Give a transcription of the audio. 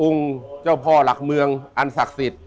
เจ้าพ่อหลักเมืองอันศักดิ์สิทธิ์